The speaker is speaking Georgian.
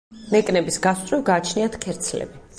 ნეკნების გასწვრივ გააჩნიათ ქერცლები.